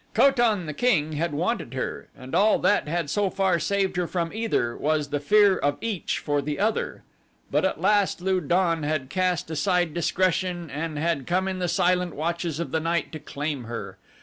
Ko tan, the king, had wanted her and all that had so far saved her from either was the fear of each for the other, but at last Lu don had cast aside discretion and had come in the silent watches of the night to claim her.